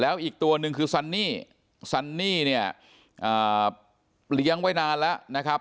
แล้วอีกตัวหนึ่งคือซันนี่ซันนี่เนี่ยเลี้ยงไว้นานแล้วนะครับ